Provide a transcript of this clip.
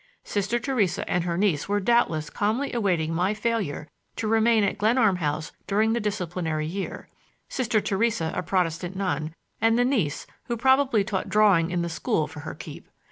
Sister Theresa and her niece were doubtless calmly awaiting my failure to remain at Glenarm House during the disciplinary year,—Sister Theresa, a Protestant nun, and the niece who probably taught drawing in the school for her keep!